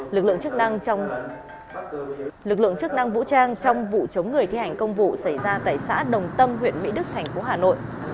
lực lượng chức năng vũ trang trong vụ chống người thi hành công vụ xảy ra tại xã đồng tâm huyện mỹ đức tp hà nội